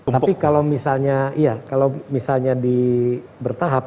tapi kalau misalnya di bertahap